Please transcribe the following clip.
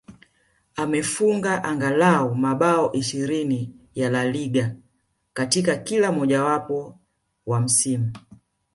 Amefunga angalau mabao ishirini ya La Liga katika kila mmojawapo wa misimu